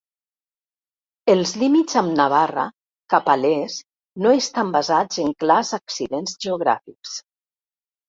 Els límits amb Navarra cap a l'est no estan basats en clars accidents geogràfics.